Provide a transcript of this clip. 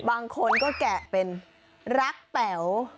บางคนก็แกะเป็นรักแป๋ว